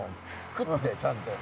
クッてちゃんと。